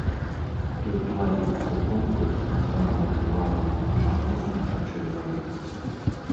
Тут ладзіцца конкурс на самага трывалага аматара гарачай пары.